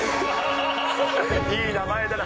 いい名前だな。